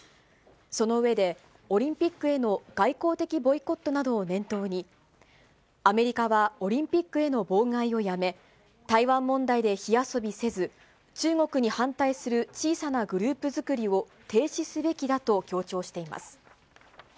その上で、オリンピックへの外交的ボイコットなどを念頭に、アメリカはオリンピックへの妨害をやめ、台湾問題で火遊びせず、中国に反対する小さなグループ作りを停止すべきだと強調しています。